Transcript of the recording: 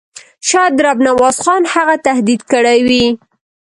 شاید رب نواز خان هغه تهدید کړی وي.